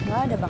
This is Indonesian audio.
nggak ada bang